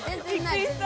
びっくりした。